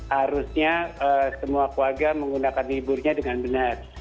harusnya semua keluarga menggunakan liburnya dengan benar